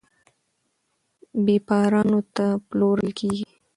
بېپارانو ته پلورل کیږي.